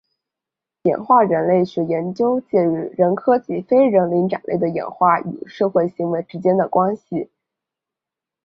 演化人类学研究介于人科及非人灵长类的演化与社会行为之间的关系。